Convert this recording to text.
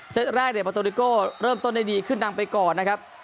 เซตแรกในปอโตริโก้เริ่มต้นได้ดีขึ้นดังไปก่อนนะครับ